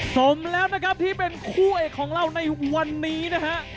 สมแล้วนะครับที่เป็นคู่เอกของเราในวันนี้นะฮะ